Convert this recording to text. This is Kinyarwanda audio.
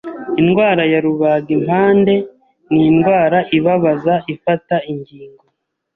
Indwara ya rubagimpande ni indwara ibabaza ifata ingingo.